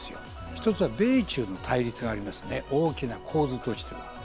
一つは米中の対立がありますね、大きな構図として。